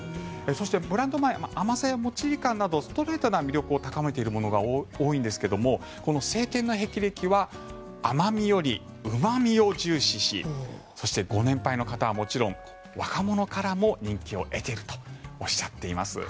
そして、ブランド米甘さやモッチリ感などストレートな魅力を高めているものが多いんですがこの青天の霹靂は甘味よりうま味を重視しそして、ご年配の方はもちろん若者からも人気を得ているとおっしゃっています。